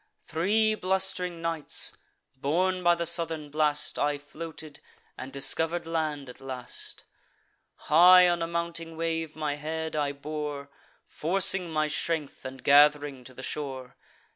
Three blust'ring nights, borne by the southern blast, I floated, and discover'd land at last: High on a mounting wave my head I bore, Forcing my strength, and gath'ring to the shore.